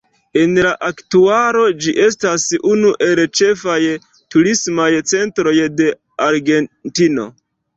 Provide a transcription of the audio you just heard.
En la aktualo ĝi estas unu el ĉefaj turismaj centroj de Argentino.